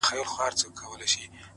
یوه کیسه نه لرم ګراني د هیچا زوی نه یم